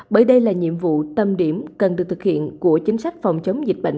bởi đây là nhiệm vụ tâm điểm cần được thực hiện của chính sách phòng chống dịch bệnh